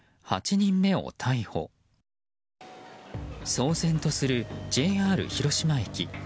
騒然とするＪＲ広島駅。